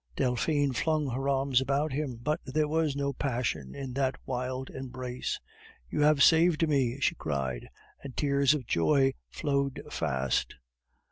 Delphine flung her arms about him, but there was no passion in that wild embrace. "You have saved me!" she cried, and tears of joy flowed fast.